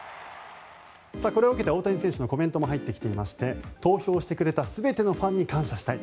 これを受けて大谷選手のコメントも入ってきていまして投票してくれた全てのファンに感謝したい